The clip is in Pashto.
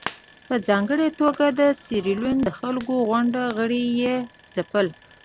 په ځانګړې توګه د سیریلیون د خلکو ګوند غړي یې ځپل.